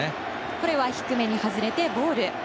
これは低めに外れてボール。